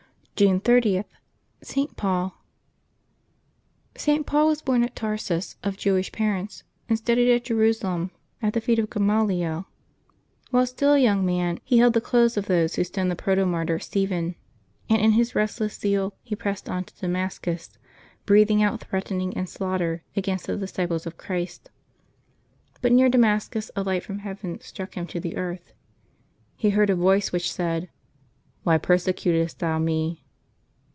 June 30— ST. PAUL. ^T. Paul was born at Tarsus, of Jewish parents, and studied, at Jerusalem, at the feet of Gamaliel. While still a young man, he held the clothes of those who stoned the proto martyr Stephen; and in his restless zeal he pressed on to Damascus, "breathing out threatenings and slaughter against the disciples of Christ." But near Damascus a light from heaven struck him to the earth. He heard a voice which said, "Why persecutest thou Me?"